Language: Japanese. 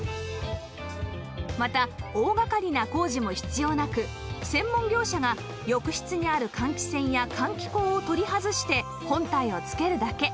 また大がかりな工事も必要なく専門業者が浴室にある換気扇や換気口を取り外して本体を付けるだけ